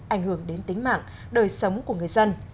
ảnh hưởng đến tính mạng đời sống của người dân